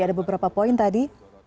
ada beberapa poin tadi